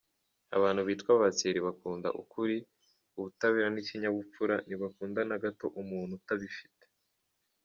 Abantu bitwa ba Thierry bakunda ukuri, ubutabera n’ikinyabupfura, ntibakunda na gato umuntu utabifite.